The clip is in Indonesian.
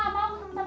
apa sih bu